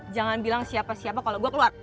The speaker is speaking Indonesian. jangan bilang siapa siapa kalau gue keluar